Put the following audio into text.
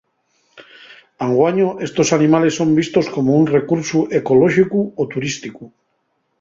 Anguaño estos animales son vistos como un recursu ecolóxicu o turísticu.